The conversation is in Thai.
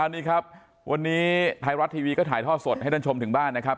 นี่ครับวันนี้ไทยรัฐทีวีก็ถ่ายท่อสดให้ท่านชมถึงบ้านนะครับ